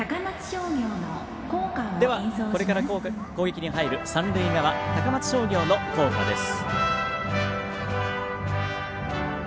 これから攻撃に入る三塁側、高松商業の校歌です。